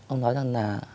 ông nói rằng là